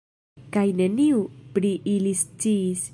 Kaj neniu pri ili sciis.